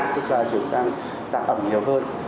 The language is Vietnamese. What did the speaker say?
tức là chuyển sang trạng ẩm nhiều hơn